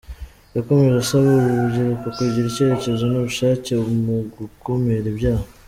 Yakomeje asaba uru rubyiruko kugira icyerekezo n’ubushake mu gukumira ibyaha.